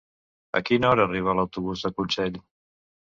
A quina hora arriba l'autobús de Consell?